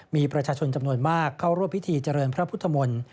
มีประชาชนจำนวนมากเข้าร่วมพิธีเจริญพระพุทธมนตร์